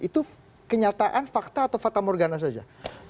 itu kenyataan fakta atau fakta morgana saja